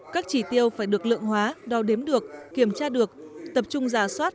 các chỉ tiêu phải được lượng hóa đo đếm được kiểm tra được tập trung giả soát